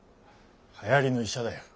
はやりの医者だよ。